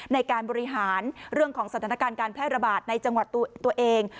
ในการบริหารเรื่องของสถานการณ์การแพร่ระบาดในจังหวัดตัวเอง